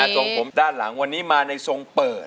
ทรงผมด้านหลังวันนี้มาในทรงเปิด